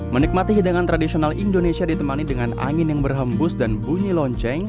menikmati hidangan tradisional indonesia ditemani dengan angin yang berhembus dan bunyi lonceng